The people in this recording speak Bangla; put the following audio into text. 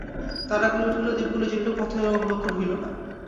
তারাগুলি উঠিল, দীপগুলি জ্বলিল, পথে লোক রহিল না।